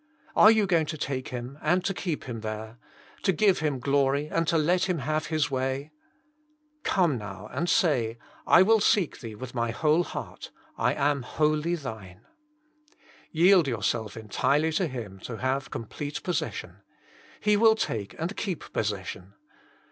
Are you going to take Him and to keep Him there, to give Him glory and let Him have His way? Come 1 68 Jesna Himself. now and say, I will seek Thee with my whole heart; I am wholly Thine." Yield yourself entirely to Him to have com plete possession. He will take and keep possession.